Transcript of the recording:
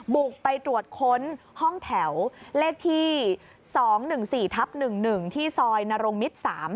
บุกไปตรวจค้นห้องแถวเลขที่๒๑๔ทับ๑๑ที่ซอยนรงมิตร๓